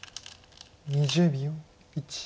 ２０秒。